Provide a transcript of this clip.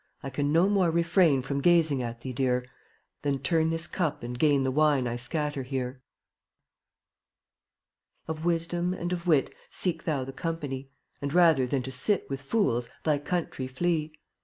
I can no more refrain From gazing at thee, Dear, Than turn this cup and gain The wine I scatter here. 22 Of Wisdom and of Wit Seek thou the company, And rather than to sit With fools, thy country flee.